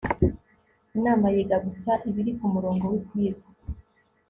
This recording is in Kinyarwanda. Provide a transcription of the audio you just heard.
inama yiga gusa ibiri ku murongo w'ibyigwa